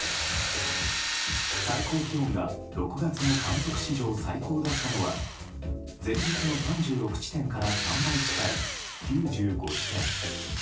最高気温が６月の観測史上最高だったのが前日の３６地点から３倍近い９５地点。